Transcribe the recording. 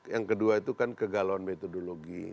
yang kedua itu kan kegalauan metodologi